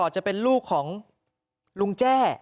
จะเป็นลูกของลุงแจ้